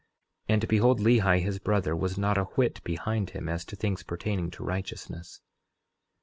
11:19 And behold, Lehi, his brother, was not a whit behind him as to things pertaining to righteousness.